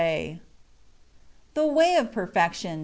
THE WAY OF PERFECTION.